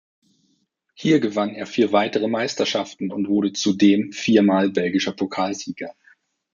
Hier gewann er vier weitere Meisterschaften und wurde zudem vier Mal belgischer Pokalsieger.